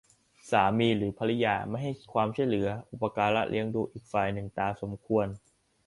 สามีหรือภริยาไม่ให้ความช่วยเหลืออุปการะเลี้ยงดูอีกฝ่ายหนึ่งตามสมควร